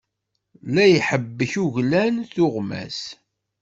La iḥebbek uglan, tuɣmas.